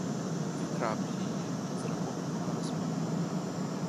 Він раб її, з рабом нема розмови.